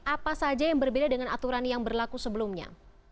apa saja yang berbeda dengan aturan yang berlaku sebelumnya